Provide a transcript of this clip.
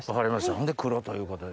そんで黒ということで。